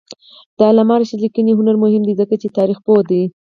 د علامه رشاد لیکنی هنر مهم دی ځکه چې تاریخپوه دی.